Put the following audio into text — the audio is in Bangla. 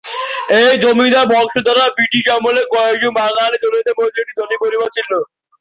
এই জমিদার বংশধররা ব্রিটিশ আমলে কয়েকজন বাঙালী ধনীদের মধ্যে একটি ধনী পরিবার ছিল।